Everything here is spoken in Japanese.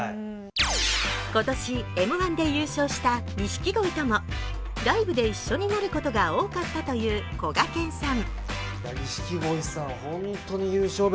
今年「Ｍ−１」で優勝した錦鯉ともライブで一緒になることが多かったというこがけんさん。